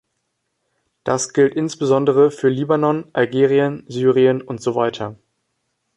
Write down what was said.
Das gilt insbesondere für Libanon, Algerien, Syrien und so weiter.